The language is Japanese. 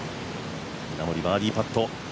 稲森、バーディーパット。